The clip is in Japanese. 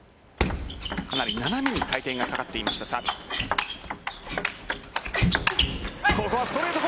かなり斜めに回転がかかっていましたサーブ。